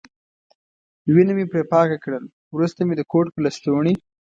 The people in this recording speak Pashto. وینه مې پرې پاکه کړل، وروسته مې د کوټ په لستوڼي.